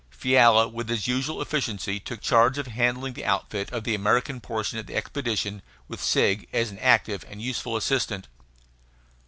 Fiala, with his usual efficiency, took charge of handling the outfit of the American portion of the expedition, with Sigg as an active and useful assistant.